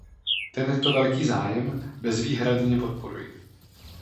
Tento velký zájem bezvýhradně podporuji.